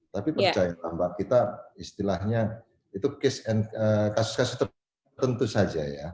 tapi percaya kita istilahnya itu kasus kasus tertentu saja ya